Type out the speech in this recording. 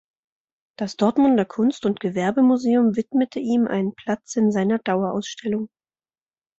Das Dortmunder Kunst- und Gewerbemuseum widmete ihm einen Platz in seiner Dauerausstellung.